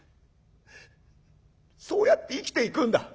そうやって生きていくんだ。